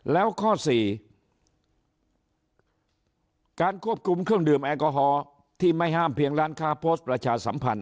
แล้วข้อสี่การควบคุมเครื่องดื่มแอลกอฮอล์ที่ไม่ห้ามเพียงร้านค้าโพสต์ประชาสัมพันธ